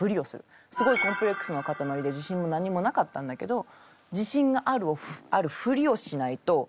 すごいコンプレックスの塊で自信も何もなかったんだけど自信があるふりをしないと駄目じゃない？